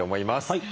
はい。